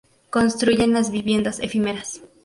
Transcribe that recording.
Construyen las viviendas efímeras.